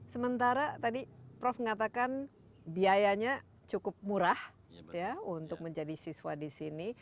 sementara tadi prof mengatakan biayanya cukup murah untuk menjadi siswa di sini